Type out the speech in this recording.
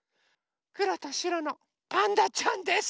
くろとしろのパンダちゃんです。